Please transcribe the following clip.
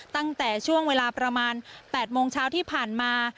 ตั้งแต่ช่วงเวลาประมาณ๘โมงเช้าที่ผ่านมา